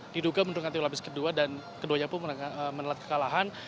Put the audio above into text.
diduga menurunkan tim labis kedua dan keduanya pun menelat kekalahan